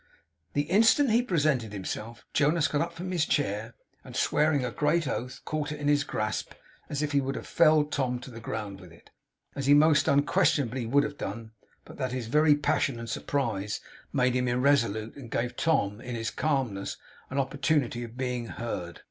The instant he presented himself, Jonas got up from his chair, and swearing a great oath, caught it in his grasp, as if he would have felled Tom to the ground with it. As he most unquestionably would have done, but that his very passion and surprise made him irresolute, and gave Tom, in his calmness, an opportunity of being heard.